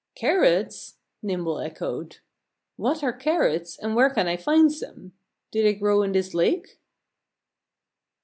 "Carrots!" Nimble echoed. "What are carrots and where can I find some? Do they grow in this lake?"